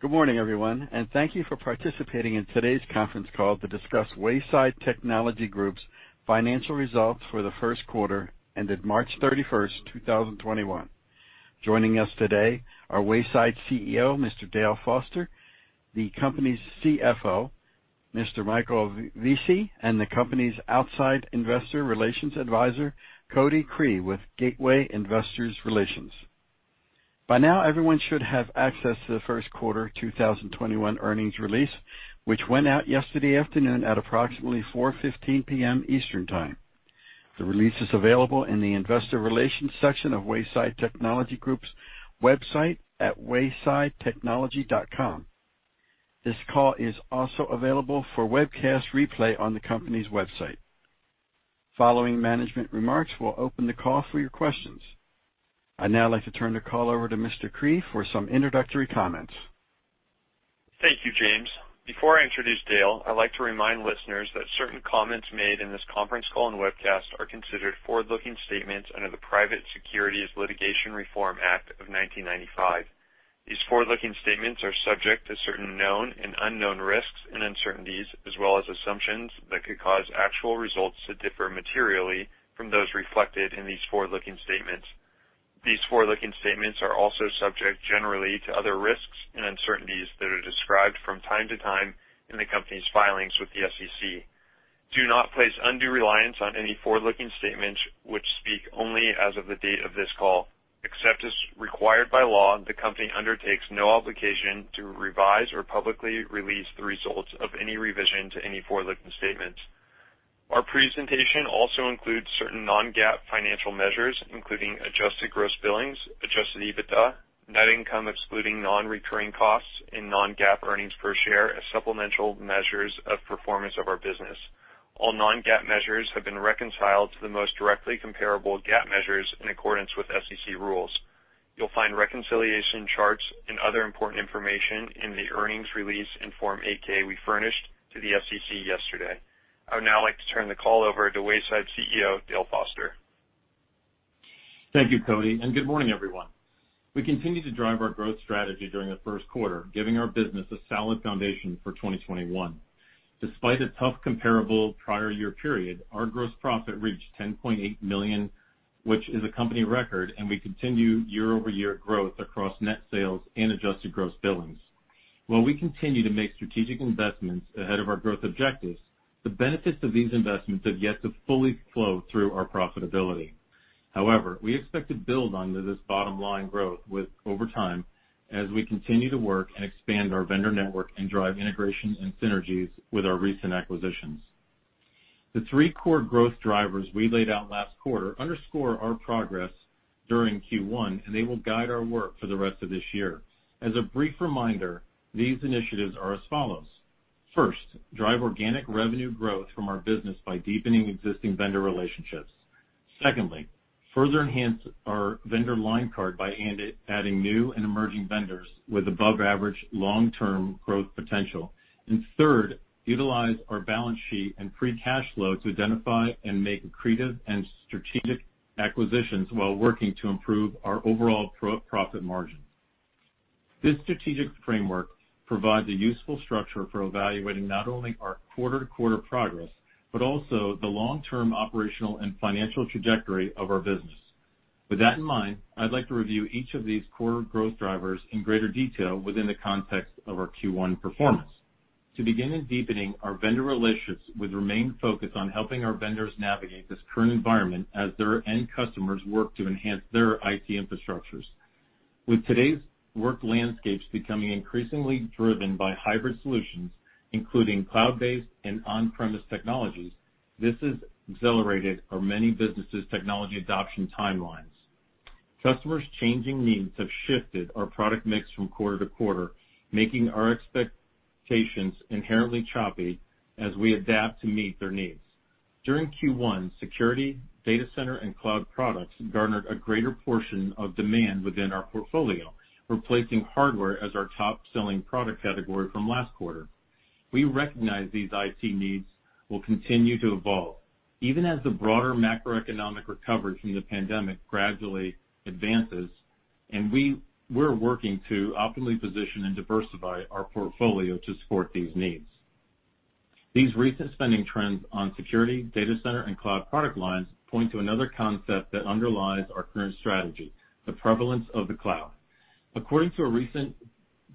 Good morning, everyone, and thank you for participating in today's conference call to discuss Wayside Technology Group's financial results for the first quarter ended March 31st, 2021. Joining us today are Wayside CEO, Mr. Dale Foster, the company's CFO, Mr. Michael DeGiglio, and the company's outside investor relations advisor, Cody Cree, with Gateway Investor Relations. By now, everyone should have access to the first quarter 2021 earnings release, which went out yesterday afternoon at approximately 4:00 P.M. Eastern Time. The release is available in the investor relations section of Wayside Technology Group's website at waysidetechnology.com. This call is also available for webcast replay on the company's website. Following management remarks, we'll open the call for your questions. I'd now like to turn the call over to Mr. Cree for some introductory comments. Thank you, James. Before I introduce Dale, I'd like to remind listeners that certain comments made in this conference call and webcast are considered forward-looking statements under the Private Securities Litigation Reform Act of 1995. These forward-looking statements are subject to certain known and unknown risks and uncertainties, as well as assumptions that could cause actual results to differ materially from those reflected in these forward-looking statements. These forward-looking statements are also subject generally to other risks and uncertainties that are described from time to time in the company's filings with the SEC. Do not place undue reliance on any forward-looking statements which speak only as of the date of this call. Except as required by law, the company undertakes no obligation to revise or publicly release the results of any revision to any forward-looking statements. Our presentation also includes certain non-GAAP financial measures, including adjusted gross billings, adjusted EBITDA, net income excluding non-recurring costs, and non-GAAP earnings per share as supplemental measures of performance of our business. All non-GAAP measures have been reconciled to the most directly comparable GAAP measures in accordance with SEC rules. You'll find reconciliation charts and other important information in the earnings release in Form 8-K we furnished to the SEC yesterday. I would now like to turn the call over to Wayside CEO, Dale Foster. Thank you, Cody, and good morning, everyone. We continue to drive our growth strategy during the first quarter, giving our business a solid foundation for 2021. Despite a tough comparable year-over-year period, our gross profit reached $10.8 million, which is a company record, and we continue year-over-year growth across net sales and Adjusted Gross Billings. While we continue to make strategic investments ahead of our growth objectives, the benefits of these investments have yet to fully flow through our profitability. However, we expect to build on to this bottom line growth over time as we continue to work and expand our vendor network and drive integration and synergies with our recent acquisitions. The three core growth drivers we laid out last quarter underscore our progress during Q1, and they will guide our work for the rest of this year. As a brief reminder, these initiatives are as follows. First, drive organic revenue growth from our business by deepening existing vendor relationships. Secondly, further enhance our vendor line card by adding new and emerging vendors with above average long-term growth potential. Third, utilize our balance sheet and free cash flow to identify and make accretive and strategic acquisitions while working to improve our overall profit margin. This strategic framework provides a useful structure for evaluating not only our quarter-to-quarter progress, but also the long-term operational and financial trajectory of our business. With that in mind, I'd like to review each of these core growth drivers in greater detail within the context of our Q1 performance. To begin in deepening our vendor relationships, we remained focused on helping our vendors navigate this current environment as their end customers work to enhance their IT infrastructures. With today's work landscapes becoming increasingly driven by hybrid solutions, including cloud-based and on-premise technologies, this has accelerated our many businesses' technology adoption timelines. Customers' changing needs have shifted our product mix from quarter to quarter, making our expectations inherently choppy as we adapt to meet their needs. During Q1, security, data center, and cloud products garnered a greater portion of demand within our portfolio, replacing hardware as our top-selling product category from last quarter. We recognize these IT needs will continue to evolve, even as the broader macroeconomic recovery from the pandemic gradually advances, and we're working to optimally position and diversify our portfolio to support these needs. These recent spending trends on security, data center, and cloud product lines point to another concept that underlies our current strategy, the prevalence of the cloud. According to a recent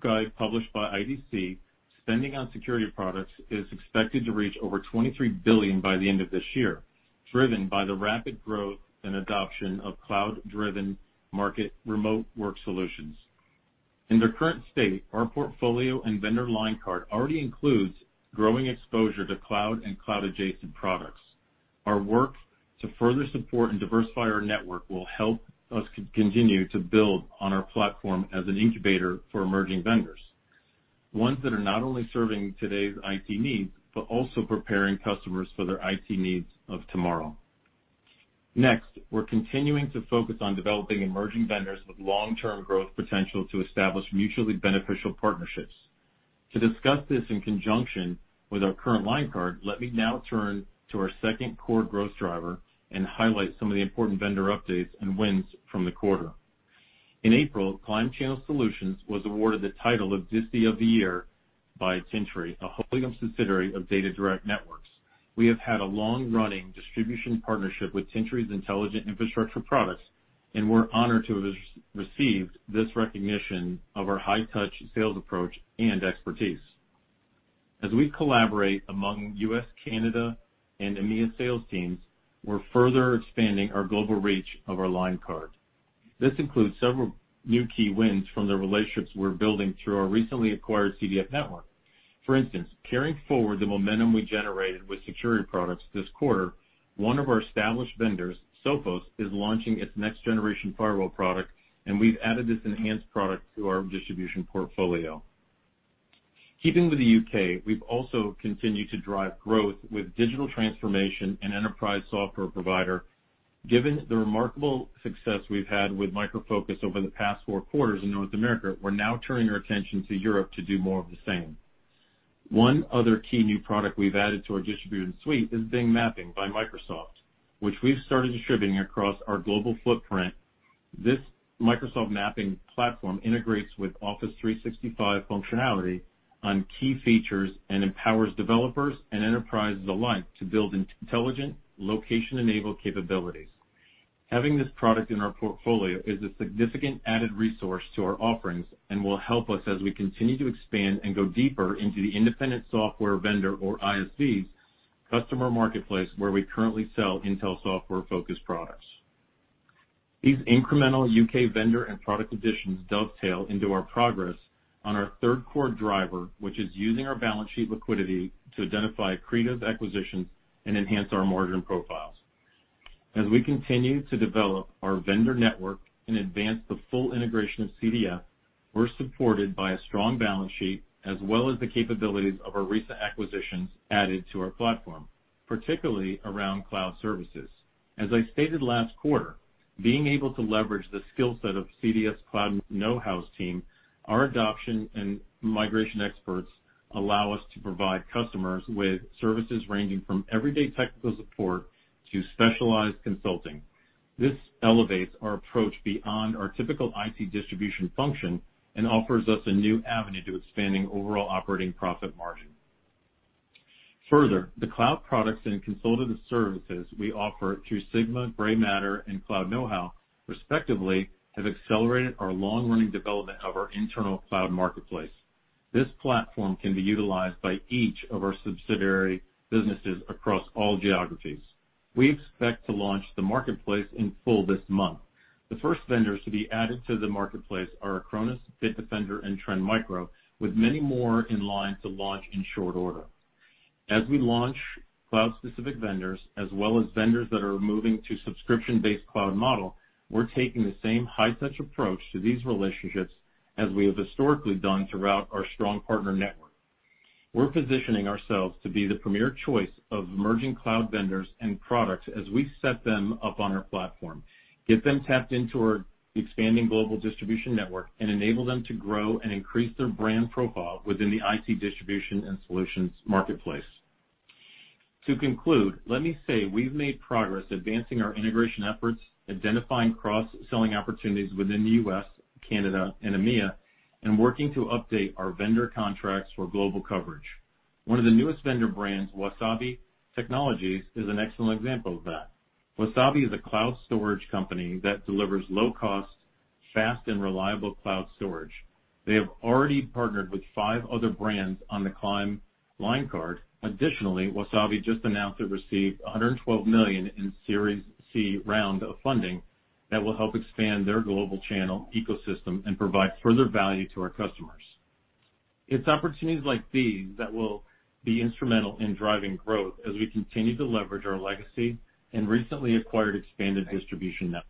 guide published by IDC, spending on security products is expected to reach over $23 billion by the end of this year, driven by the rapid growth and adoption of cloud-driven market remote work solutions. In their current state, our portfolio and vendor line card already includes growing exposure to cloud and cloud-adjacent products. Our work to further support and diversify our network will help us continue to build on our platform as an incubator for emerging vendors, ones that are not only serving today's IT needs, but also preparing customers for their IT needs of tomorrow. Next, we're continuing to focus on developing emerging vendors with long-term growth potential to establish mutually beneficial partnerships. To discuss this in conjunction with our current line card, let me now turn to our second core growth driver and highlight some of the important vendor updates and wins from the quarter. In April, Climb Channel Solutions was awarded the title of Disti of the Year by Tintri, a wholly-owned subsidiary of DataDirect Networks. We have had a long-running distribution partnership with Tintri's intelligent infrastructure products, and we're honored to have received this recognition of our high-touch sales approach and expertise. As we collaborate among U.S., Canada, and EMEA sales teams, we're further expanding our global reach of our line card. This includes several new key wins from the relationships we're building through our recently acquired CDF network. For instance, carrying forward the momentum we generated with security products this quarter, one of our established vendors, Sophos, is launching its next-generation firewall product, and we've added this enhanced product to our distribution portfolio. Keeping with the U.K., we've also continued to drive growth with digital transformation and enterprise software provider. Given the remarkable success we've had with Micro Focus over the past four quarters in North America, we're now turning our attention to Europe to do more of the same. One other key new product we've added to our distribution suite is Bing Maps by Microsoft, which we've started distributing across our global footprint. This Microsoft mapping platform integrates with Office 365 functionality on key features and empowers developers and enterprises alike to build intelligent, location-enabled capabilities. Having this product in our portfolio is a significant added resource to our offerings and will help us as we continue to expand and go deeper into the independent software vendor, or ISV's, customer marketplace, where we currently sell Intel software-focused products. These incremental U.K. vendor and product additions dovetail into our progress on our third core driver, which is using our balance sheet liquidity to identify accretive acquisitions and enhance our margin profiles. As we continue to develop our vendor network and advance the full integration of CDF, we're supported by a strong balance sheet as well as the capabilities of our recent acquisitions added to our platform, particularly around cloud services. As I stated last quarter, being able to leverage the skill set of CDF's Cloud Know How team, our adoption and migration experts allow us to provide customers with services ranging from everyday technical support to specialized consulting. This elevates our approach beyond our typical IT distribution function and offers us a new avenue to expanding overall operating profit margin. Further, the cloud products and consultative services we offer through Sigma, Grey Matter, and Cloud Know How, respectively, have accelerated our long-running development of our internal cloud marketplace. This platform can be utilized by each of our subsidiary businesses across all geographies. We expect to launch the marketplace in full this month. The first vendors to be added to the marketplace are Acronis, Bitdefender, and Trend Micro, with many more in line to launch in short order. As we launch cloud-specific vendors, as well as vendors that are moving to subscription-based cloud model, we're taking the same high-touch approach to these relationships as we have historically done throughout our strong partner network. We're positioning ourselves to be the premier choice of emerging cloud vendors and products as we set them up on our platform, get them tapped into our expanding global distribution network, and enable them to grow and increase their brand profile within the IT distribution and solutions marketplace. To conclude, let me say we've made progress advancing our integration efforts, identifying cross-selling opportunities within the U.S., Canada, and EMEA, and working to update our vendor contracts for global coverage. One of the newest vendor brands, Wasabi Technologies, is an excellent example of that. Wasabi is a cloud storage company that delivers low-cost, fast, and reliable cloud storage. They have already partnered with five other brands on the Climb line card. Additionally, Wasabi just announced it received $112 million in Series C round of funding that will help expand their global channel ecosystem and provide further value to our customers. It's opportunities like these that will be instrumental in driving growth as we continue to leverage our legacy and recently acquired expanded distribution network.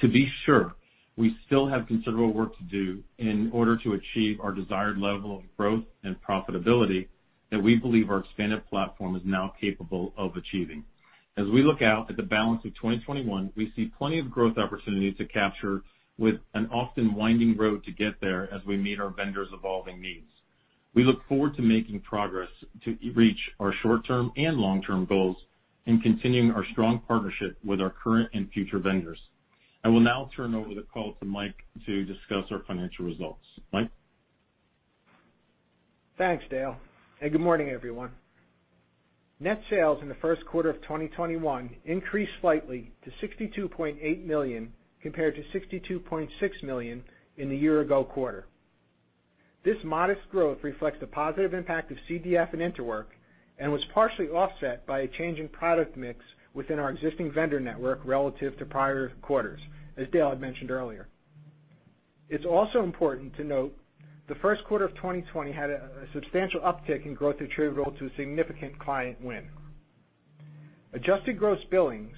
To be sure, we still have considerable work to do in order to achieve our desired level of growth and profitability that we believe our expanded platform is now capable of achieving. As we look out at the balance of 2021, we see plenty of growth opportunities to capture with an often winding road to get there as we meet our vendors' evolving needs. We look forward to making progress to reach our short-term and long-term goals and continuing our strong partnership with our current and future vendors. I will now turn over the call to Mike to discuss our financial results. Mike? Thanks, Dale, and good morning, everyone. Net sales in the first quarter of 2021 increased slightly to $62.8 million compared to $62.6 million in the year ago quarter. This modest growth reflects the positive impact of CDF and Interwork, and was partially offset by a change in product mix within our existing vendor network relative to prior quarters, as Dale had mentioned earlier. It's also important to note the first quarter of 2020 had a substantial uptick in growth attributable to a significant client win. Adjusted gross billings,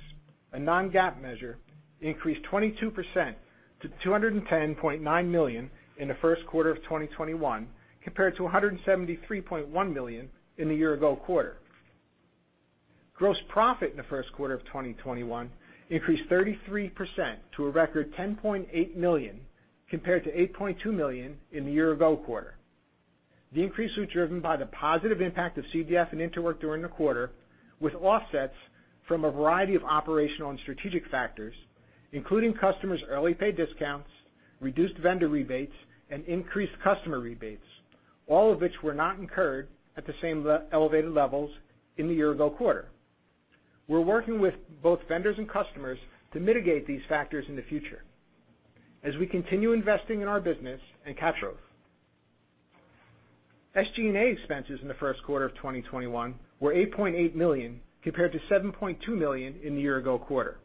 a non-GAAP measure, increased 22% to $210.9 million in the first quarter of 2021, compared to $173.1 million in the year ago quarter. Gross profit in the first quarter of 2021 increased 33% to a record $10.8 million, compared to $8.2 million in the year-ago quarter. The increase was driven by the positive impact of CDF and Interwork during the quarter, with offsets from a variety of operational and strategic factors, including customers' early pay discounts, reduced vendor rebates, and increased customer rebates, all of which were not incurred at the same elevated levels in the year-ago quarter. We're working with both vendors and customers to mitigate these factors in the future as we continue investing in our business and capture growth. SG&A expenses in the first quarter of 2021 were $8.8 million, compared to $7.2 million in the year-ago quarter.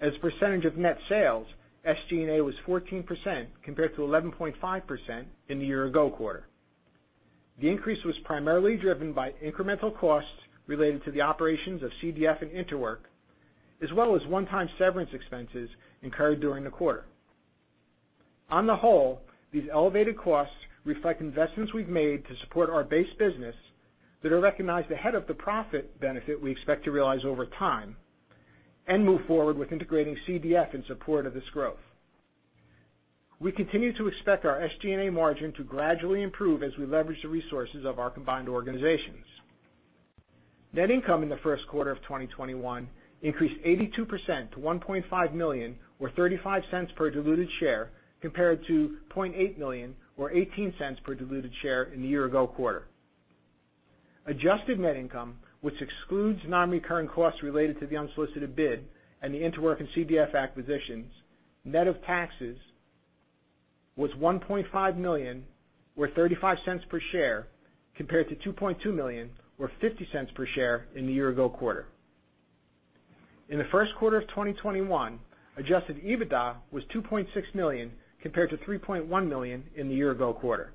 As a percentage of net sales, SG&A was 14%, compared to 11.5% in the year-ago quarter. The increase was primarily driven by incremental costs related to the operations of CDF and Interwork, as well as one-time severance expenses incurred during the quarter. On the whole, these elevated costs reflect investments we've made to support our base business that are recognized ahead of the profit benefit we expect to realize over time and move forward with integrating CDF in support of this growth. We continue to expect our SG&A margin to gradually improve as we leverage the resources of our combined organizations. Net income in the first quarter of 2021 increased 82% to $1.5 million, or $0.35/diluted share, compared to $0.8 million or $0.18/diluted share in the year-ago quarter. Adjusted net income, which excludes non-recurring costs related to the unsolicited bid and the Interwork and CDF acquisitions, net of taxes, was $1.5 million or $0.35/share, compared to $2.2 million or $0.50/share in the year-ago quarter. In the first quarter of 2021, adjusted EBITDA was $2.6 million, compared to $3.1 million in the year-ago quarter.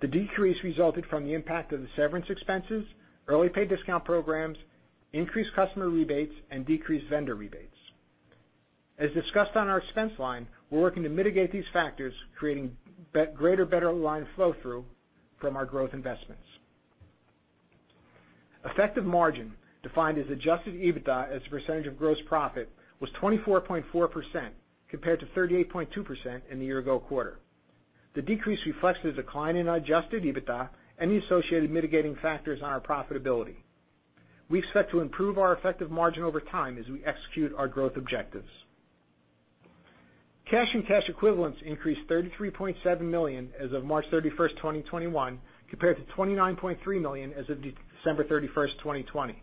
The decrease resulted from the impact of the severance expenses, early pay discount programs, increased customer rebates, and decreased vendor rebates. As discussed on our expense line, we're working to mitigate these factors, creating better line flow-through from our growth investments. Effective margin, defined as adjusted EBITDA as a percentage of gross profit, was 24.4% compared to 38.2% in the year-ago quarter. The decrease reflects the decline in our adjusted EBITDA and the associated mitigating factors on our profitability. We expect to improve our effective margin over time as we execute our growth objectives. Cash and cash equivalents increased $33.7 million as of March 31st, 2021 compared to $29.3 million as of December 31st, 2020.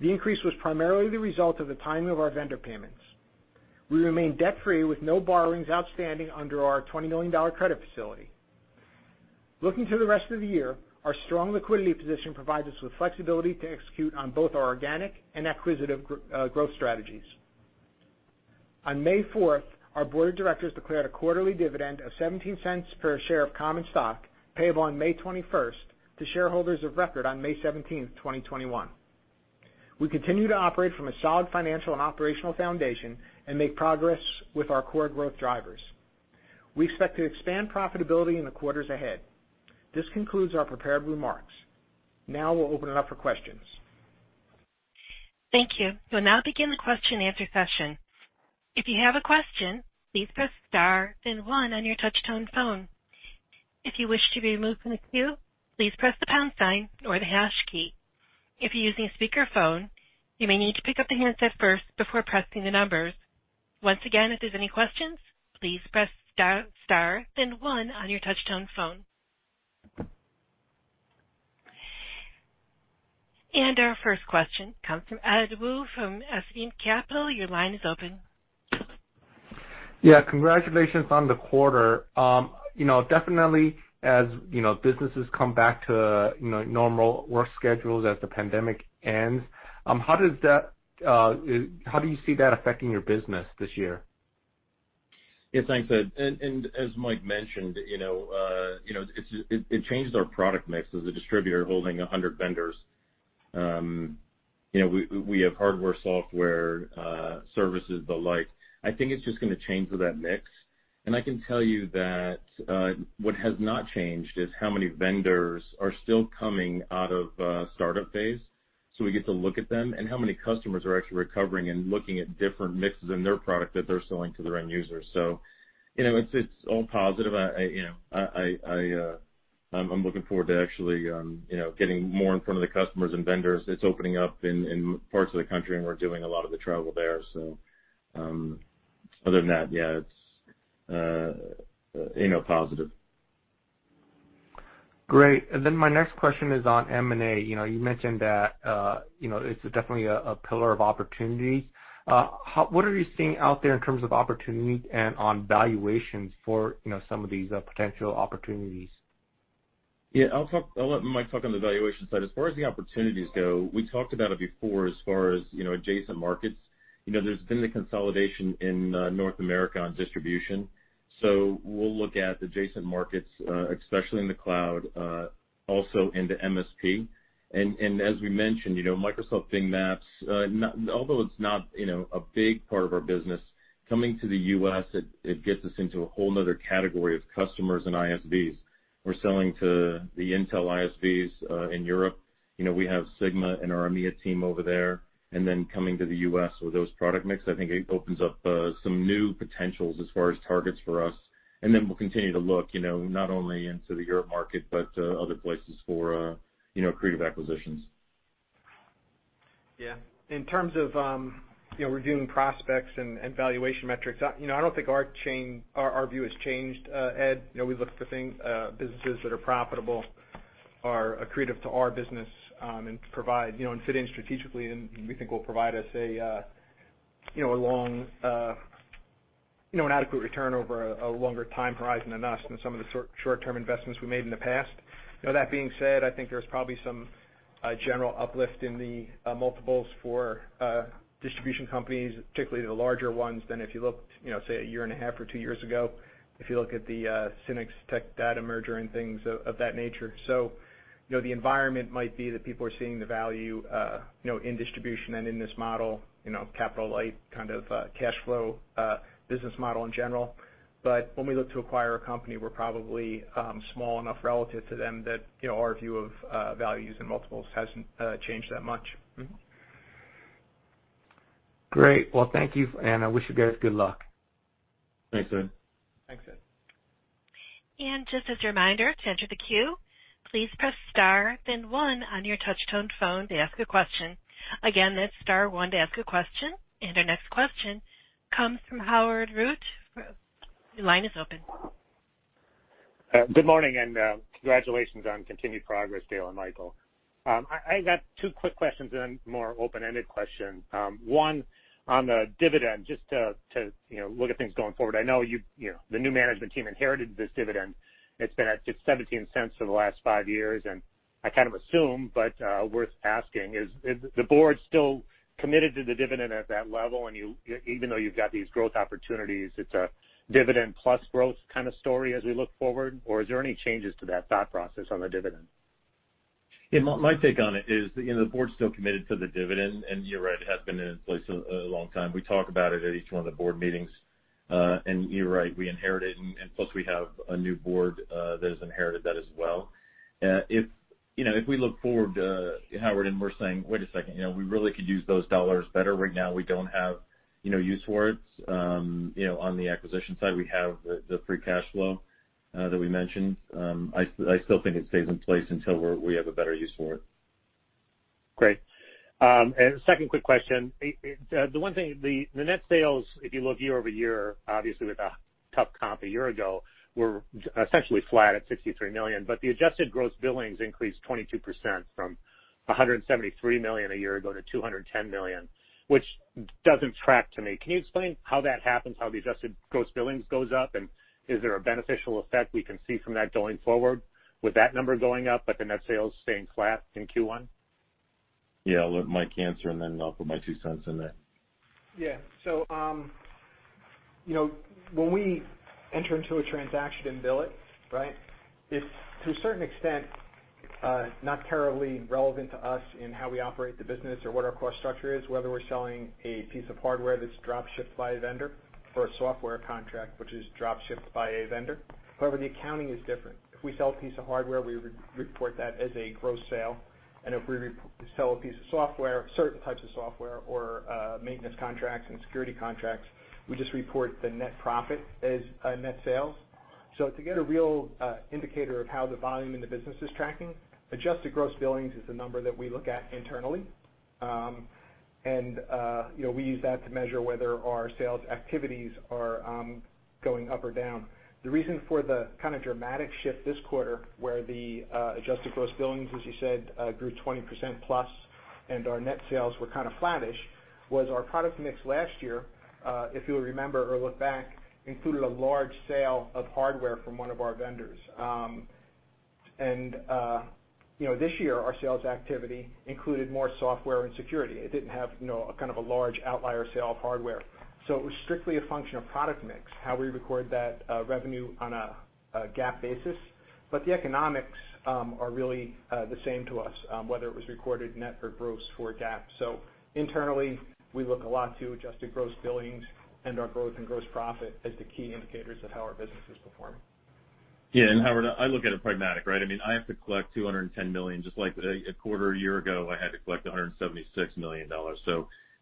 The increase was primarily the result of the timing of our vendor payments. We remain debt-free, with no borrowings outstanding under our $20 million credit facility. Looking to the rest of the year, our strong liquidity position provides us with flexibility to execute on both our organic and acquisitive growth strategies. On May 4th, our board of directors declared a quarterly dividend of $0.17/share of common stock, payable on May 21st to shareholders of record on May 17th, 2021. We continue to operate from a solid financial and operational foundation and make progress with our core growth drivers. We expect to expand profitability in the quarters ahead. This concludes our prepared remarks. Now we'll open it up for questions. Thank you. We'll now begin the question and answer session. If you have a question, please press star then one on your touch-tone phone. If you wish to be removed from the queue, please press the pound sign or the hash key. If you're using a speakerphone, you may need to pick up the handset first before pressing the numbers. Once again, if there's any questions, please press star then one on your touch-tone phone. Our first question comes from Ed Woo from Ascendiant Capital. Your line is open. Congratulations on the quarter. Definitely as businesses come back to normal work schedules as the pandemic ends, how do you see that affecting your business this year? Yeah, thanks, Ed. As Mike mentioned, it changes our product mix as a distributor holding 100 vendors. We have hardware, software, services, the like. I think it's just going to change that mix. I can tell you that what has not changed is how many vendors are still coming out of startup phase. We get to look at them, and how many customers are actually recovering and looking at different mixes in their product that they're selling to their end users. It's all positive. I'm looking forward to actually getting more in front of the customers and vendors. It's opening up in parts of the country, and we're doing a lot of the travel there. Other than that, yeah, it's positive. Great. My next question is on M&A. You mentioned that it's definitely a pillar of opportunity. What are you seeing out there in terms of opportunity and on valuations for some of these potential opportunities? Yeah. I'll let Mike talk on the valuation side. As far as the opportunities go, we talked about it before as far as adjacent markets. There's been the consolidation in North America on distribution. We'll look at adjacent markets, especially in the cloud, also into MSP. As we mentioned, Microsoft Bing Maps, although it's not a big part of our business, coming to the U.S., it gets us into a whole other category of customers and ISVs. We're selling to the Intel ISVs in Europe. We have Sigma and our EMEA team over there, coming to the U.S. with those product mix, I think it opens up some new potentials as far as targets for us. We'll continue to look, not only into the Europe market, but other places for accretive acquisitions. Yeah. In terms of reviewing prospects and valuation metrics, I don't think our view has changed, Ed. We look for things, businesses that are profitable, are accretive to our business, and fit in strategically and we think will provide us an adequate return over a longer time horizon than us, than some of the short-term investments we made in the past. That being said, I think there's probably some general uplift in the multiples for distribution companies, particularly the larger ones, than if you looked, say, a year and a half or two years ago, if you look at the SYNNEX Tech Data merger and things of that nature. The environment might be that people are seeing the value in distribution and in this model, capital-light kind of cash flow business model in general. When we look to acquire a company, we're probably small enough relative to them that our view of values and multiples hasn't changed that much. Mm-hmm. Great. Well, thank you, and I wish you guys good luck. Thanks, Ed. Thanks, Ed. Just as a reminder, to enter the queue, please press star then one on your touch tone phone to ask a question. Again, that's star one to ask a question. Our next question comes from Howard Root. Your line is open. Good morning. Congratulations on continued progress, Dale and Michael. I got two quick questions and then a more open-ended question. One, on the dividend, just to look at things going forward, I know the new management team inherited this dividend, and it's been at just $0.17 for the last five years, and I kind of assume, but worth asking, is the board still committed to the dividend at that level even though you've got these growth opportunities? It's a dividend plus growth kind of story as we look forward, or is there any changes to that thought process on the dividend? Yeah, my take on it is, the board's still committed to the dividend. You're right, it has been in place a long time. We talk about it at each one of the board meetings. You're right, we inherited it, and plus we have a new board that has inherited that as well. If we look forward, Howard, and we're saying, "Wait a second, we really could use those dollars better right now," we don't have use for it on the acquisition side. We have the free cash flow that we mentioned. I still think it stays in place until we have a better use for it. Great. Second quick question. The one thing, the net sales, if you look year-over-year, obviously with a tough comp a year ago, were essentially flat at $63 million, but the adjusted gross billings increased 22% from $173 million a year ago to $210 million, which doesn't track to me. Can you explain how that happens, how the adjusted gross billings goes up, and is there a beneficial effect we can see from that going forward with that number going up but the net sales staying flat in Q1? Yeah. I'll let Mike answer, and then I'll put my two cents in there. Yeah. When we enter into a transaction and bill it's to a certain extent, not terribly relevant to us in how we operate the business or what our cost structure is, whether we're selling a piece of hardware that's drop-shipped by a vendor or a software contract, which is drop-shipped by a vendor. However, the accounting is different. If we sell a piece of hardware, we report that as a gross sale, and if we sell a piece of software, certain types of software or maintenance contracts and security contracts, we just report the net profit as net sales. To get a real indicator of how the volume in the business is tracking, adjusted gross billings is the number that we look at internally. We use that to measure whether our sales activities are going up or down. The reason for the kind of dramatic shift this quarter, where the adjusted gross billings, as you said, grew 20%+ and our net sales were kind of flattish, was our product mix last year, if you'll remember or look back, included a large sale of hardware from one of our vendors. This year, our sales activity included more software and security. It didn't have a kind of a large outlier sale of hardware. It was strictly a function of product mix, how we record that revenue on a GAAP basis. The economics are really the same to us, whether it was recorded net or gross for GAAP. Internally, we look a lot to adjusted gross billings and our growth in gross profit as the key indicators of how our business is performing. Yeah. Howard, I look at it pragmatic, right? I have to collect $210 million just like a quarter a year ago, I had to collect $176 million.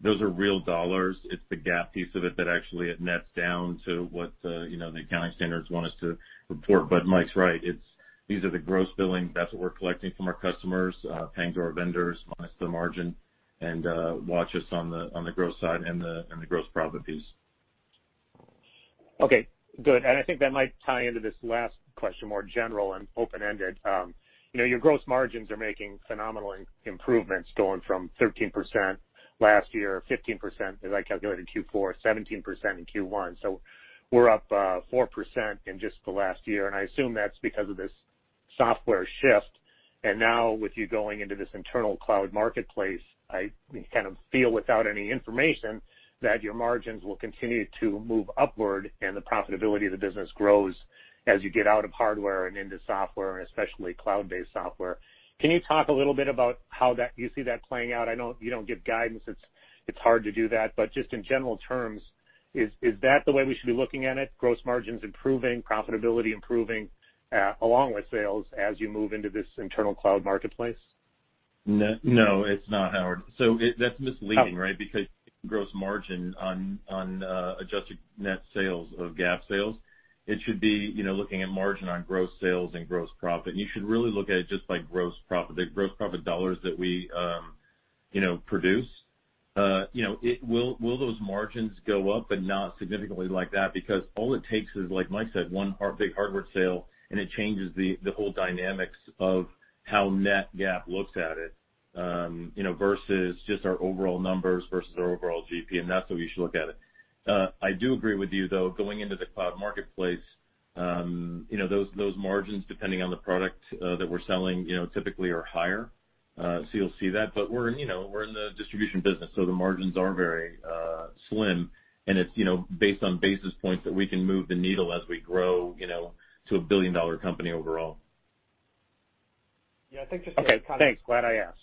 Those are real dollars. It's the GAAP piece of it that actually it nets down to what the accounting standards want us to report. Mike's right. These are the gross billings. That's what we're collecting from our customers, paying to our vendors minus the margin, and watch us on the gross side and the gross profit piece. Okay, good. I think that might tie into this last question, more general and open-ended. Your gross margins are making phenomenal improvements going from 13% last year, 15%, as I calculated in Q4, 17% in Q1. We're up 4% in just the last year, and I assume that's because of this software shift. Now with you going into this internal cloud marketplace, I kind of feel without any information that your margins will continue to move upward and the profitability of the business grows as you get out of hardware and into software and especially cloud-based software. Can you talk a little bit about how you see that playing out? I know you don't give guidance. It's hard to do that, but just in general terms, is that the way we should be looking at it, gross margins improving, profitability improving, along with sales as you move into this internal cloud marketplace? No, it's not, Howard. That's misleading, because gross margin on adjusted net sales of GAAP sales, it should be looking at margin on gross sales and gross profit. You should really look at it just by gross profit, the gross profit dollars that we produce. Will those margins go up? Not significantly like that, because all it takes is, like Mike said, one big hardware sale, and it changes the whole dynamics of how net GAAP looks at it, versus just our overall numbers, versus our overall GP, and that's how we should look at it. I do agree with you, though, going into the cloud marketplace, those margins, depending on the product that we're selling, typically are higher. You'll see that, but we're in the distribution business, so the margins are very slim and it's based on basis points that we can move the needle as we grow to a billion-dollar company overall. Yeah, I think. Okay, thanks. Glad I asked.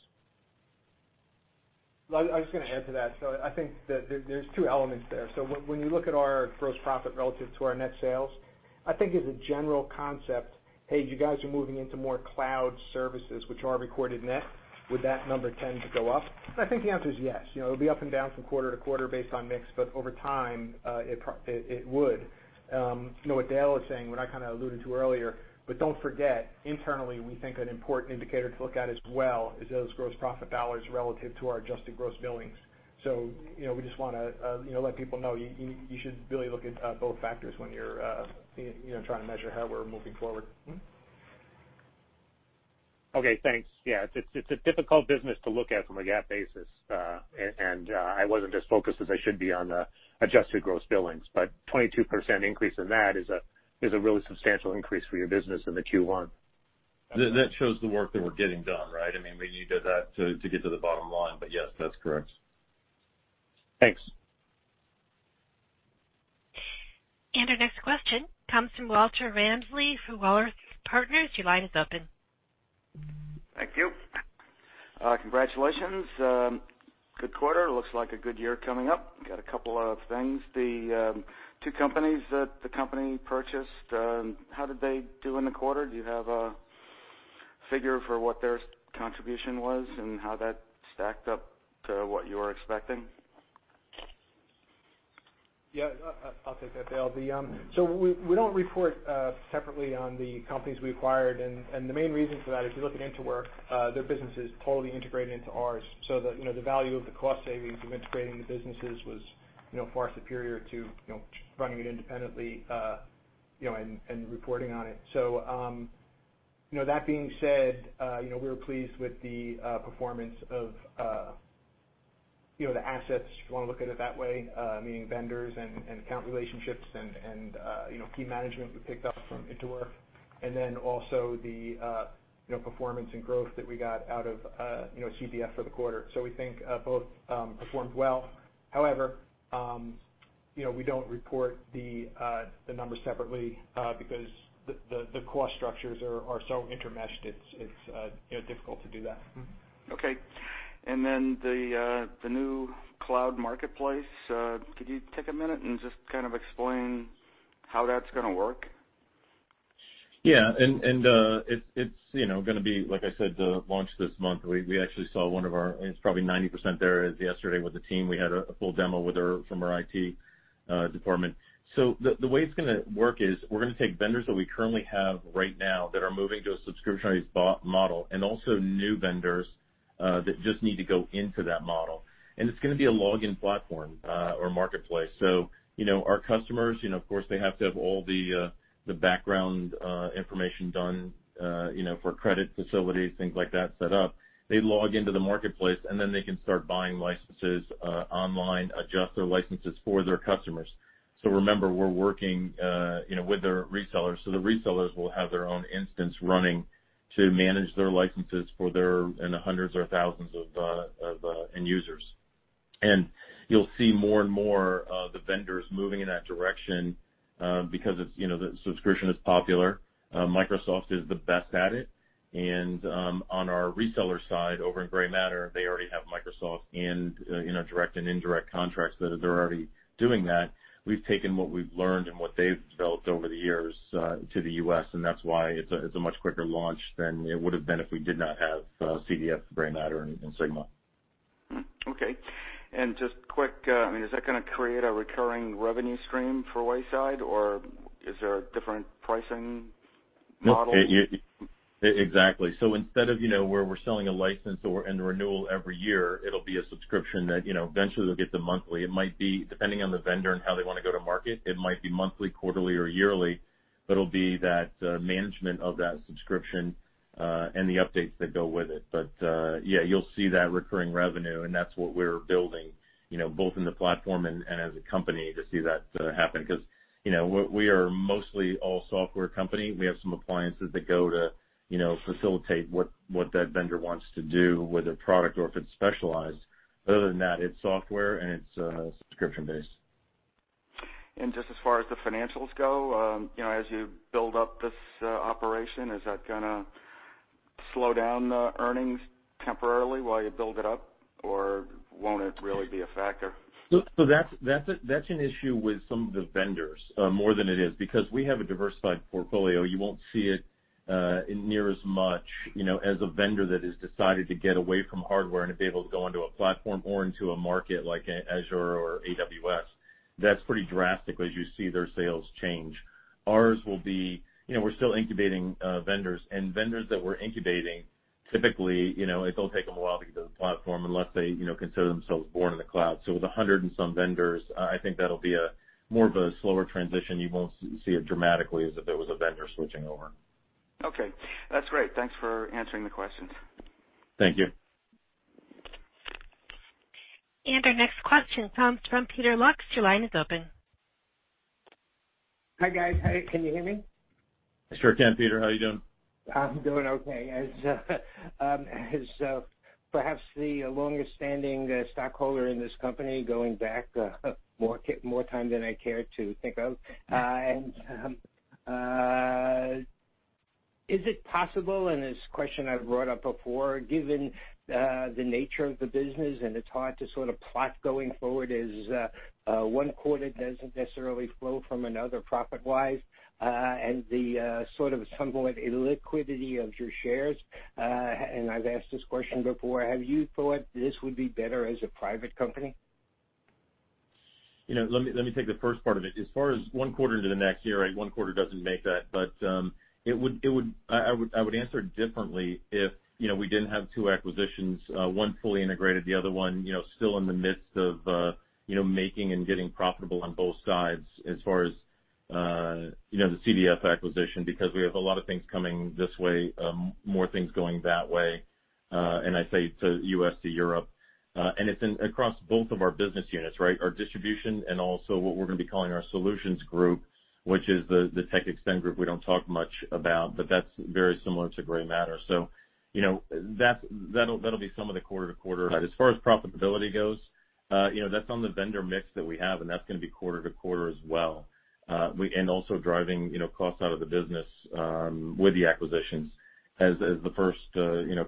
Well, I was just going to add to that. I think that there's two elements there. When you look at our gross profit relative to our net sales, I think as a general concept, hey, you guys are moving into more cloud services, which are recorded net. Would that number tend to go up? I think the answer is yes. It'll be up and down from quarter to quarter based on mix, but over time, it would. What Dale is saying, what I kind of alluded to earlier, but don't forget, internally, we think an important indicator to look at as well is those gross profit dollars relative to our adjusted gross billings. We just want to let people know, you should really look at both factors when you're trying to measure how we're moving forward. Okay, thanks. Yeah, it's a difficult business to look at from a GAAP basis. I wasn't as focused as I should be on the adjusted gross billings, but 22% increase in that is a really substantial increase for your business in the Q1. That shows the work that we're getting done. We needed that to get to the bottom line, but yes, that's correct. Thanks. Our next question comes from Walter Ramsley from Walrus Partners. Your line is open. Thank you. Congratulations. Good quarter. Looks like a good year coming up. Got a couple of things. The two companies that the company purchased, how did they do in the quarter? Do you have a figure for what their contribution was and how that stacked up to what you were expecting? Yeah. I'll take that, Dale. We don't report separately on the companies we acquired, and the main reason for that is if you look at Interwork, their business is totally integrated into ours. The value of the cost savings from integrating the businesses was far superior to just running it independently and reporting on it. That being said, we were pleased with the performance of the assets, if you want to look at it that way, meaning vendors and account relationships and key management we picked up from Interwork. Then also the performance and growth that we got out of CDF for the quarter. We think both performed well. We don't report the numbers separately, because the cost structures are so intermeshed, it's difficult to do that. Okay. The new cloud marketplace, could you take a minute and just kind of explain how that's going to work? Yeah. It's going to be, like I said, the launch this month. We actually saw one of our-- It's probably 90% there as of yesterday with the team. We had a full demo from our IT department. The way it's going to work is we're going to take vendors that we currently have right now that are moving to a subscription-based model and also new vendors that just need to go into that model. It's going to be a login platform or marketplace. Our customers, of course, they have to have all the background information done for credit facilities, things like that set up. They log into the marketplace, and then they can start buying licenses online, adjust their licenses for their customers. Remember, we're working with their resellers. The resellers will have their own instance running to manage their licenses for their hundreds or thousands of end users. You'll see more and more of the vendors moving in that direction, because the subscription is popular. Microsoft is the best at it, and on our reseller side, over in Grey Matter, they already have Microsoft in our direct and indirect contracts that they're already doing that. We've taken what we've learned and what they've built over the years to the U.S., and that's why it's a much quicker launch than it would have been if we did not have CDF, Grey Matter, and Sigma. Okay. Just quick, is that going to create a recurring revenue stream for Wayside, or is there a different pricing model? Exactly. Instead of where we're selling a license and a renewal every year, it'll be a subscription that eventually they'll get to monthly. It might be, depending on the vendor and how they want to go to market, it might be monthly, quarterly, or yearly, but it'll be that management of that subscription, and the updates that go with it. Yeah, you'll see that recurring revenue, and that's what we're building, both in the platform and as a company to see that happen. We are mostly all software company. We have some appliances that go to facilitate what that vendor wants to do with a product or if it's specialized. Other than that, it's software and it's subscription-based. Just as far as the financials go, as you build up this operation, is that slow down the earnings temporarily while you build it up, or won't it really be a factor? That's an issue with some of the vendors more than it is. Because we have a diversified portfolio, you won't see it near as much as a vendor that has decided to get away from hardware and to be able to go into a platform or into a market like Azure or AWS. That's pretty drastic as you see their sales change. Ours will be. We're still incubating vendors, and vendors that we're incubating, typically, it'll take them a while to get to the platform unless they consider themselves born in the cloud. With 100 and some vendors, I think that'll be more of a slower transition. You won't see it dramatically as if it was a vendor switching over. Okay. That's great. Thanks for answering the questions. Thank you. Our next question comes from Peter Lux. Your line is open. Hi, guys. Can you hear me? Sure can, Peter. How you doing? I'm doing okay. As perhaps the longest-standing stockholder in this company, going back more time than I care to think of, is it possible, and this question I've brought up before, given the nature of the business, and it's hard to sort of plot going forward, as one quarter doesn't necessarily flow from another profit-wise, and the somewhat illiquidity of your shares, and I've asked this question before, have you thought this would be better as a private company? Let me take the first part of it. As far as one quarter to the next, you're right, one quarter doesn't make that. I would answer it differently if we didn't have two acquisitions, one fully integrated, the other one still in the midst of making and getting profitable on both sides as far as the CDF acquisition, because we have a lot of things coming this way, more things going that way, and I say to U.S. to Europe. It's across both of our business units. Our distribution and also what we're going to be calling our solutions group, which is the TechXtend group we don't talk much about, but that's very similar to Grey Matter. That'll be some of the quarter-to-quarter. As far as profitability goes, that's on the vendor mix that we have, and that's going to be quarter to quarter as well. Also driving costs out of the business with the acquisitions. As the first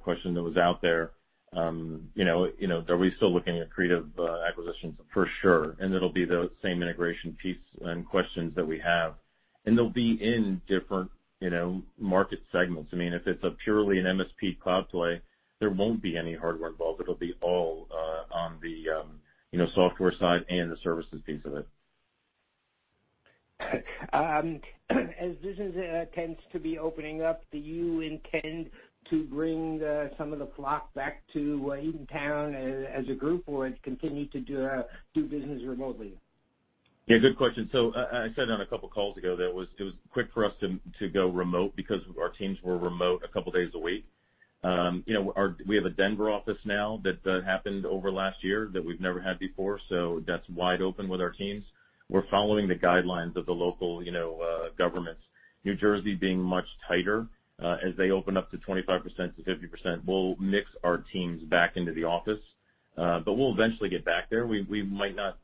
question that was out there, are we still looking at creative acquisitions? For sure. It'll be the same integration piece and questions that we have. They'll be in different market segments. If it's purely an MSP cloud play, there won't be any hardware involved. It'll be all on the software side and the services piece of it. As business tends to be opening up, do you intend to bring some of the flock back to Eatontown as a group, or continue to do business remotely? Yeah, good question. I said on a couple of calls ago that it was quick for us to go remote because our teams were remote a couple of days a week. We have a Denver office now. That happened over last year that we've never had before. That's wide open with our teams. We're following the guidelines of the local governments, New Jersey being much tighter. As they open up to 25%-50%, we'll mix our teams back into the office. We'll eventually get back there. We might not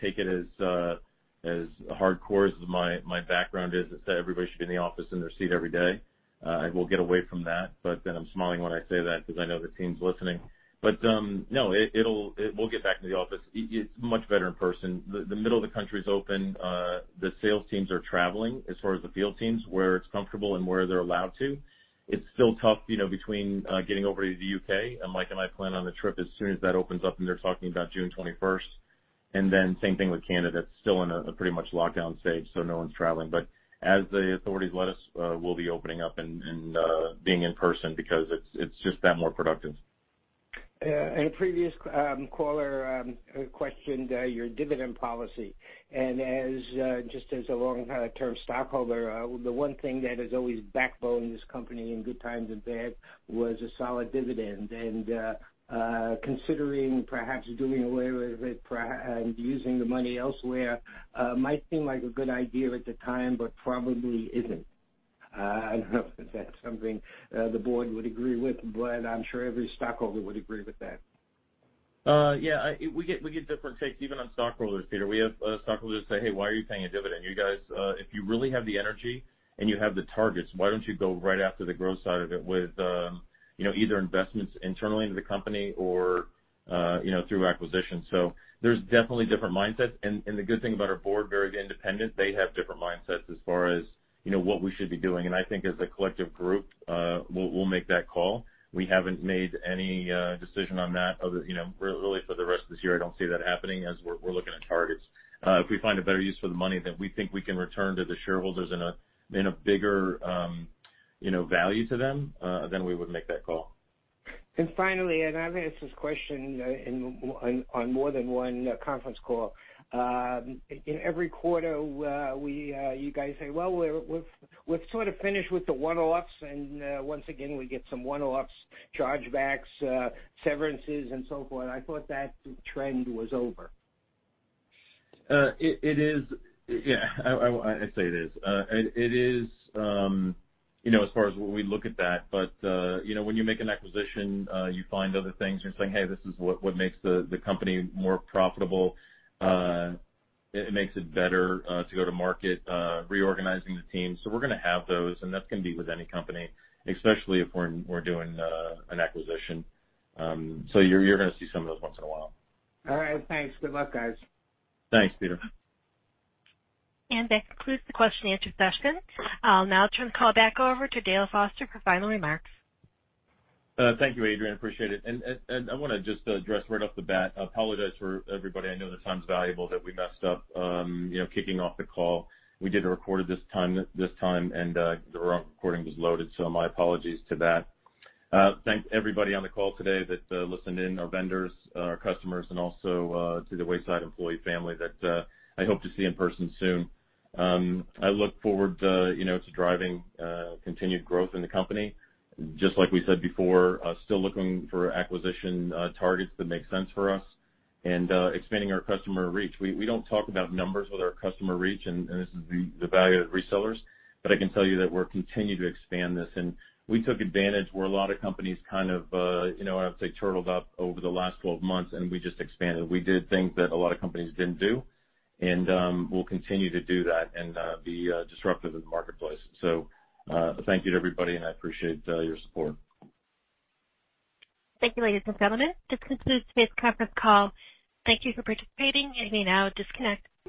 take it as hardcore as my background is, that everybody should be in the office in their seat every day. I will get away from that. I'm smiling when I say that because I know the team's listening. No, we'll get back to the office. It's much better in person. The middle of the country is open. The sales teams are traveling, as far as the field teams, where it's comfortable and where they're allowed to. It's still tough between getting over to the U.K., and Mike and I plan on a trip as soon as that opens up, and they're talking about June 21st. Then same thing with Canada. It's still in a pretty much lockdown stage, so no one's traveling. As the authorities let us, we'll be opening up and being in person because it's just that more productive. Yeah. A previous caller questioned your dividend policy. Just as a long-term stockholder, the one thing that has always backboned this company in good times and bad was a solid dividend. Considering perhaps doing away with it and using the money elsewhere might seem like a good idea at the time, but probably isn't. I don't know if that's something the board would agree with, but I'm sure every stockholder would agree with that. Yeah. We get different takes, even on stockholders, Peter. We have stockholders say, "Hey, why are you paying a dividend? You guys, if you really have the energy and you have the targets, why don't you go right after the growth side of it with either investments internally into the company or through acquisition?" There's definitely different mindsets, and the good thing about our board, very independent, they have different mindsets as far as what we should be doing. I think as a collective group, we'll make that call. We haven't made any decision on that. Really, for the rest of this year, I don't see that happening as we're looking at targets. If we find a better use for the money that we think we can return to the shareholders in a bigger value to them, then we would make that call. Finally, and I've asked this question on more than one conference call. In every quarter, you guys say, "Well, we're sort of finished with the one-offs," and once again, we get some one-offs, chargebacks, severances, and so forth. I thought that trend was over. Yeah. I say it is. It is as far as we look at that. When you make an acquisition, you find other things, and you're saying, "Hey, this is what makes the company more profitable. It makes it better to go to market reorganizing the team." We're going to have those, and that's going to be with any company, especially if we're doing an acquisition. You're going to see some of those once in a while. All right. Thanks. Good luck, guys. Thanks, Peter. That concludes the question and answer session. I will now turn the call back over to Dale Foster for final remarks. Thank you, Adrienne. Appreciate it. I want to just address right off the bat, apologize to everybody, I know the time's valuable, that we messed up kicking off the call. We did record it this time, and the wrong recording was loaded, so my apologies to that. Thank everybody on the call today that listened in, our vendors, our customers, and also to the Wayside employee family that I hope to see in person soon. I look forward to driving continued growth in the company. Just like we said before, still looking for acquisition targets that make sense for us and expanding our customer reach. We don't talk about numbers with our customer reach, and this is the value of the resellers, but I can tell you that we're continuing to expand this. We took advantage where a lot of companies kind of turtled up over the last 12 months, and we just expanded. We did things that a lot of companies didn't do, and we'll continue to do that and be disruptive in the marketplace. Thank you to everybody, and I appreciate your support. Thank you, ladies and gentlemen. This concludes today's conference call. Thank you for participating. You may now disconnect.